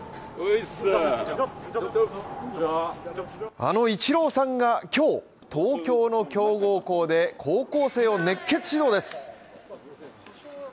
あのイチローさんが今日東京の強豪校で、高校生を熱血指導です。